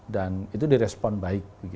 dan itu di respon baik